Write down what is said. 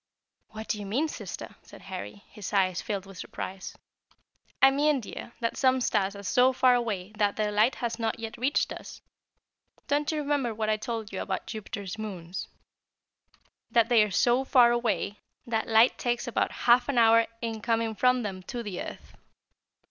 "What do you mean, sister?" said Harry, his eyes filled with surprise. "I mean, dear, that some stars are so far away that their light has not yet reached us. Don't you remember what I told you about Jupiter's moons: that they are so far away that light takes about half an hour in coming from them to the earth.